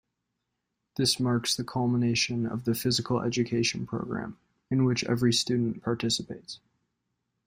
This marks the culmination of the Physical Education Program, in which every student participates.